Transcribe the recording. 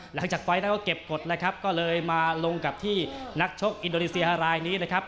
ไฟล์นั้นก็เก็บกฎนะครับก็เลยมาลงกับที่นักชกอินโดนีเซียรายนี้นะครับ